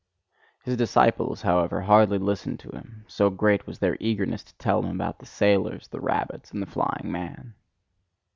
His disciples, however, hardly listened to him: so great was their eagerness to tell him about the sailors, the rabbits, and the flying man.